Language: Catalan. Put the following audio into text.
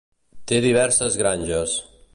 Té diverses granges.